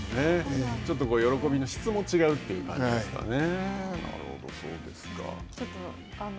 ちょっと喜びの質も違うという感じですかね。